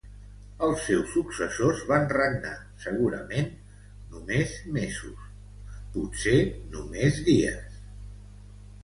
Els seus successors van regnar segurament només mesos, potser només dies.